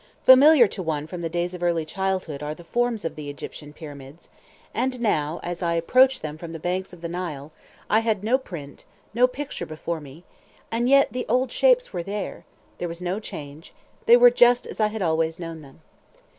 Familiar to one from the days of early childhood are the forms of the Egyptian Pyramids, and now, as I approached them from the banks of the Nile, I had no print, no picture before me, and yet the old shapes were there; there was no change; they were just as I had always known them.